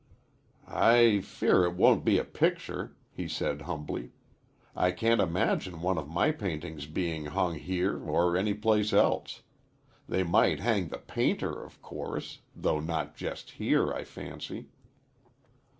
"I fear it won't be a picture," he said humbly. "I can't imagine one of my paintings being hung here or any place else. They might hang the painter, of course, though not just here, I fancy."